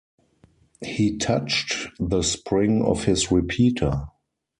He touched the spring of his repeater.